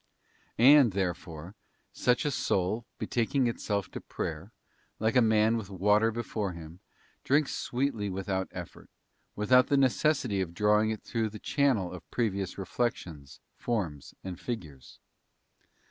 And, there _ fore, such a soul betaking itself to prayer —like a man with water before him — drinks sweetly without effort, without the necessity of drawing it through the channel of previous reflections, forms, and figures.